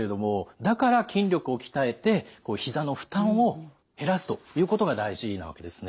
だから筋力を鍛えてひざの負担を減らすということが大事なわけですね。